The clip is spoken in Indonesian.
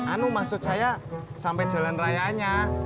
anu mas jodjaya sampai jalan rayanya